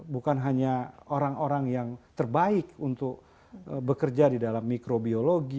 bukan hanya orang orang yang terbaik untuk bekerja di dalam mikrobiologi